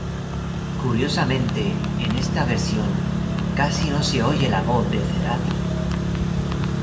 Curiosamente, en esta versión, casi no se oye la voz de Cerati.